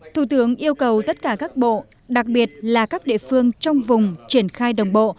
thủ tướng yêu cầu tất cả các bộ đặc biệt là các địa phương trong vùng triển khai đồng bộ